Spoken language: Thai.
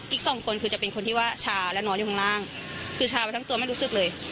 อีกสองคนคือจะเป็นคนที่ว่าชาและนอนอยู่ข้างล่างคือชาไปทั้งตัวไม่รู้สึกเลย